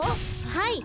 はい。